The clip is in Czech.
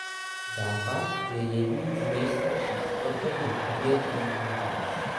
Zápas je jedním z nejstarších sportovních odvětví vůbec.